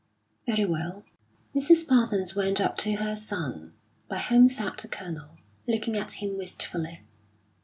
"Very well." Mrs. Parsons went up to her son, by whom sat the Colonel, looking at him wistfully.